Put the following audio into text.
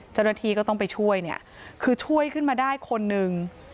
เจ้าหน้าที่ก็ต้องไปช่วยเนี่ยคือช่วยขึ้นมาได้คนหนึ่ง